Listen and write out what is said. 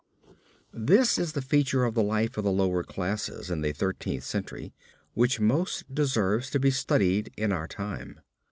This is the feature of the life of the lower classes in the Thirteenth Century which most deserves to be studied in our time.